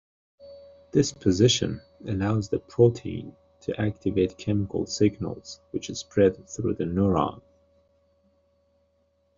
This position allows the protein to activate chemical signals which spread through the neurone.